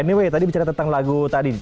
anyway tadi bicara tentang lagu tadi